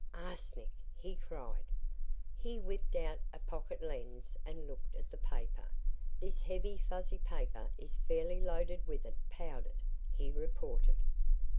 "Arsenic!" he cried. He whipped out a pocket lens and looked at the paper. "This heavy fuzzy paper is fairly loaded with it, powdered," he reported.